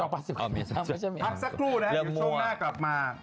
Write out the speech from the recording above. ปั๊บสักครู่นะครับช่วงหน้ากลับมา